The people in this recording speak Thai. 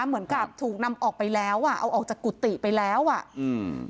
เหมือนกับถูกนำออกไปแล้วอ่ะเอาออกจากกุฏิไปแล้วอ่ะอืม